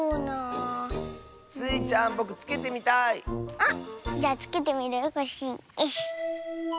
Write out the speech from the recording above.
あっじゃつけてみるねコッシー。